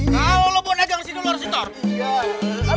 kau lo buat naik ke sini lu harus hitam